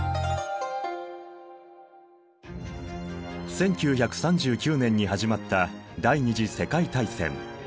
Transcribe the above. １９３９年に始まった第二次世界大戦。